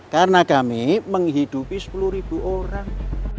karena kami menghidupi sepuluh orang